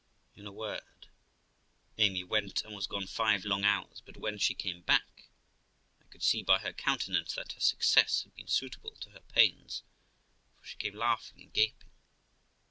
In a word, Amy went, and was gone five long hours; but when she came back, I could see by her countenance that her success had been suitable to her pains, for she came laughing and gaping.